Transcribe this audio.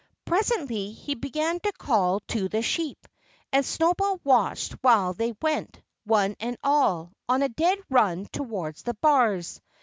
Presently he began to call to the sheep. And Snowball watched while they went, one and all, on a dead run towards the bars.